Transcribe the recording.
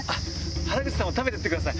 原口さんも食べてってください。